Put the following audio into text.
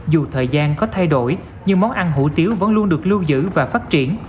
dù thời gian có thay đổi nhưng món ăn hủ tiếu vẫn luôn được lưu giữ và phát triển